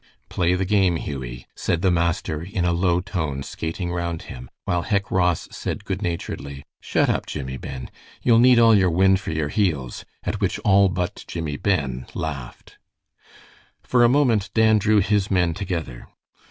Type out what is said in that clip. "Play the game, Hughie," said the master, in a low tone, skating round him, while Hec Ross said, good naturedly, "Shut up Jimmie Ben. You'll need all your wind for your heels," at which all but Jimmie Ben laughed. For a moment Dan drew his men together.